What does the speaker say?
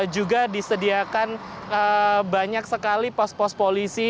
juga disediakan banyak sekali pos pos polisi